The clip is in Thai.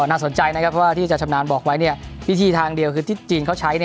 น่าสนใจนะครับเพราะว่าที่อาจารย์ชำนาญบอกไว้วิธีทางเดียวคือที่จีนเขาใช้